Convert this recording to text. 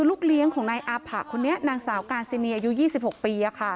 ลูกเลี้ยงของนายอาผะคนนี้นางสาวการซินีอายุ๒๖ปี